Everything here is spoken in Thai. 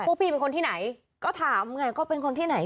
พี่เป็นคนที่ไหนก็ถามไงก็เป็นคนที่ไหน